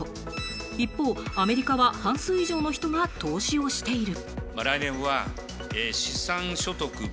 一方、アメリカは半数以上の人が投資をしている。